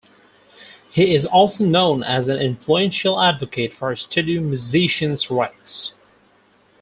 He is also known as an influential advocate for studio musician's rights.